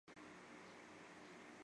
存在共八年。